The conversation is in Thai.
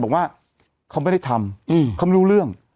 บอกว่าเขาไม่ได้ทำเขาไม่รู้เรื่อง